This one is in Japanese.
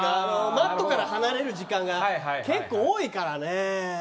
マットから離れる時間が結構多いからね。